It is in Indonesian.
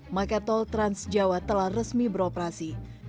maka tol transjawa telah resmi beroperasi